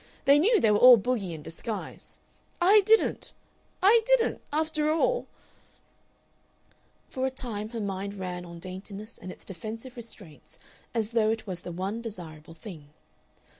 They knew they were all Bogey in disguise. I didn't! I didn't! After all " For a time her mind ran on daintiness and its defensive restraints as though it was the one desirable thing.